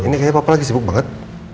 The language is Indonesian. ini kayaknya bapak lagi sibuk banget